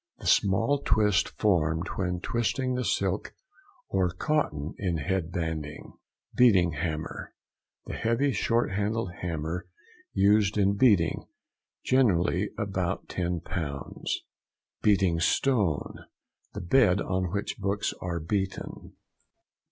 —The small twist formed when twisting the silk or cotton in head banding. BEATING HAMMER.—The heavy short handled hammer used in beating (generally about 10 lbs.). BEATING STONE.—The bed on which books are beaten.